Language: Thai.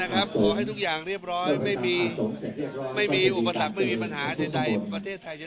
ขอให้ทุกอย่างเรียบร้อยไม่มีไม่มีอุปสรรคไม่มีปัญหา